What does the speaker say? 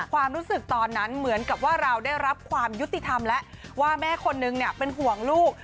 ความรู้สึกตอนนั้นเหมือนกับว่าเราได้รับความยุติธรรมแล้วว่าแม่คนนึงเนี่ยเป็นห่วงลูก